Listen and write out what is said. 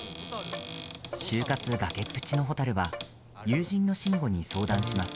就活崖っぷちのほたるは友人の慎吾に相談します。